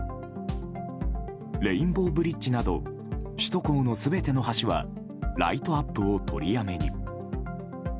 レインボーブリッジなど首都高の全ての橋はライトアップを取りやめに。